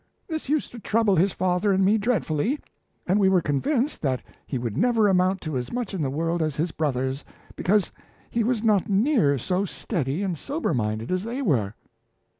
This used to trouble his father and me dreadfully, and we were convinced that he would never amount to as much in the world as his brothers, because he was not near so steady and sober minded as they were."